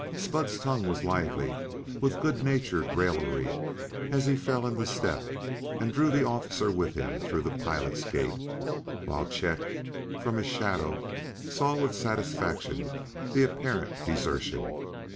Spud's tongue was lively with good natured raillery as he fell into step and drew the officer with him through the pilots' gate, while Chet, from his shadow, saw with satisfaction the apparent desertion.